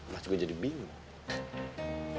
mas juga jadi bingung